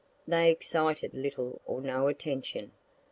They excited little or no attention.